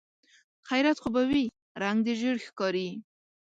خيرت خو به وي؟ رنګ دې ژېړ ښکاري.